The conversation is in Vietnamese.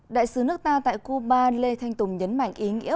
đại sứ nước ta tại cuba lê thanh tùng nhấn mạnh ý nghĩa